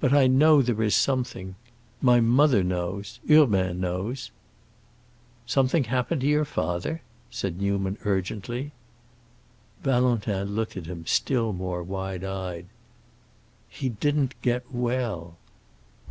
But I know there is something. My mother knows—Urbain knows." "Something happened to your father?" said Newman, urgently. Valentin looked at him, still more wide eyed. "He didn't get well."